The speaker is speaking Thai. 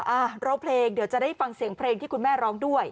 อ่ะร้องเพลงเดี๋ยวจะได้ฟังเสียงเพลงที่คุณแม่ร้องด้วย